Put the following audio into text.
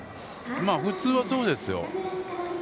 普通はそうですよ。